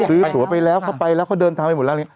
ตัวไปแล้วเขาไปแล้วเขาเดินทางไปหมดแล้ว